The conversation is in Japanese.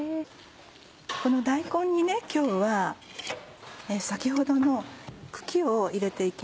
この大根に今日は先ほどの茎を入れて行きます。